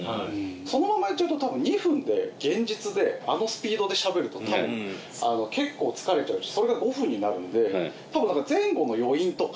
そのまんまやっちゃうと多分２分で現実であのスピードで喋ると多分結構疲れちゃうしそれが５分になるんで前後の余韻とか。